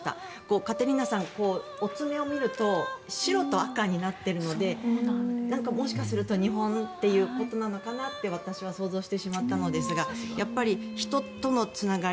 カテリーナさんはお爪を見ると白と赤になっているのでもしかすると日本ということなのかな？って私は想像してしまったのですがやっぱり人とのつながり